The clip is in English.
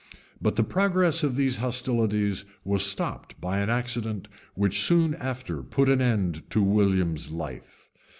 But the progress of these hostilities was stopped by an accident which soon after put an end to William's life.